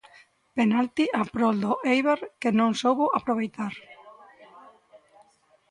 Penalti a prol do Éibar que non soubo aproveitar.